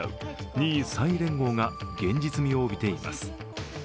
２位３位連合が現実味を帯びています。